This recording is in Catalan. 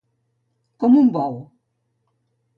Com un bou.